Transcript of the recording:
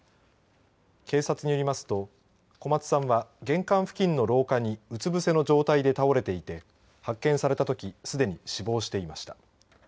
警察によりますと小松さんは、玄関付近の廊下にうつ伏せの状態で倒れていて発見されたときすでに死亡していました。